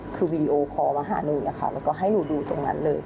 คือวีดีโอคอลมาหาหนูอย่างนี้ค่ะแล้วก็ให้หนูดูตรงนั้นเลย